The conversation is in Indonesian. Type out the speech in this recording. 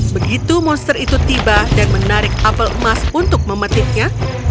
begitu monster itu tiba dan menarik apel emas untuk memetiknya